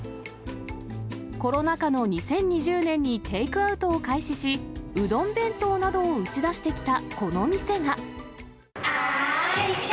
コロナ禍の２０２０年にテイクアウトを開始し、うどん弁当などを打ち出してきたこの店が。